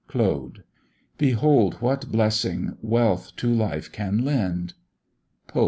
CLAUD. Behold what blessing wealth to life can lend. POPE.